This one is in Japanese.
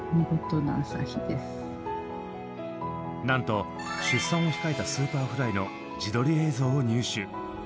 なんと出産を控えたＳｕｐｅｒｆｌｙの自撮り映像を入手！